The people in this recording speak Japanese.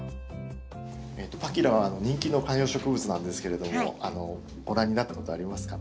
パキラは人気の観葉植物なんですけれどもご覧になったことありますか？